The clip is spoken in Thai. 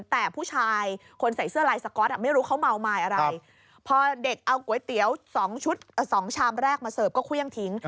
แต่ผู้ชายคนใส่เสื้อไรท์สก๊อตอะไม่รู้เขาเมามากันอะไร